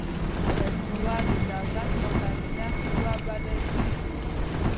لومړۍ قوه د دولت مقننه قوه بلل کیږي.